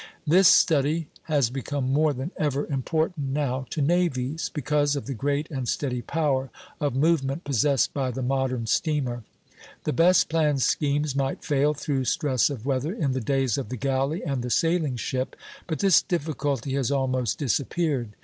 This study has become more than ever important now to navies, because of the great and steady power of movement possessed by the modern steamer. The best planned schemes might fail through stress of weather in the days of the galley and the sailing ship; but this difficulty has almost disappeared.